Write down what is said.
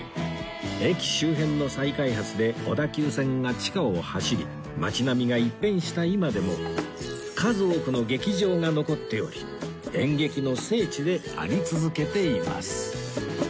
駅周辺の再開発で小田急線が地下を走り街並みが一変した今でも数多くの劇場が残っており演劇の聖地であり続けています